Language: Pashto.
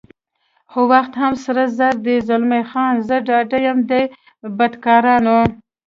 خو وخت هم سره زر دی، زلمی خان: زه ډاډه یم دې بدکارانو.